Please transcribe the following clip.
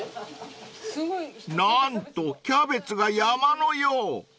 ［何とキャベツが山のよう］